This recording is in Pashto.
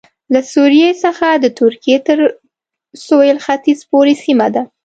له سوریې څخه د ترکیې تر سوېل ختیځ پورې سیمه ده